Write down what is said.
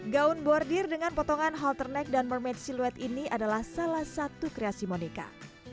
gaun bordir dengan potongan halter neck dan mermaid silhouette ini adalah salah satu perancangan monica